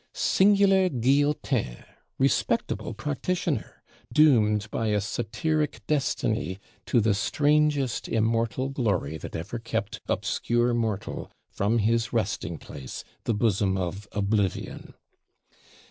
Singular Guillotin, respectable practitioner: doomed by a satiric destiny to the strangest immortal glory that ever kept obscure mortal from his resting place, the bosom of oblivion!